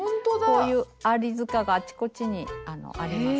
こういう「アリ塚」があちこちにあります。